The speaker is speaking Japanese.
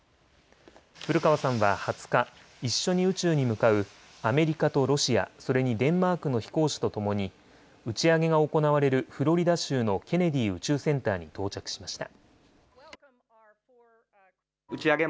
古川さんは２０日、一緒に宇宙に向かうアメリカとロシアそれにデンマークの飛行士とともに打ち上げが行われるフロリダ州のケネディ宇宙センターに到着しました。